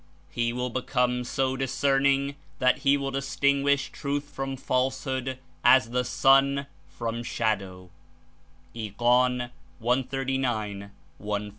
He will become so discern ing that he will distinguish truth from falsehood as the sun from shadow\" (Ig. ijg. 140.)